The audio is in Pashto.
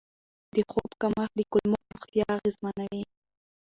د خوب کمښت د کولمو روغتیا اغېزمنوي.